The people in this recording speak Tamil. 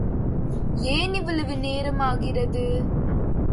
ஏன் இவ்வளவு நேரமாகிறது?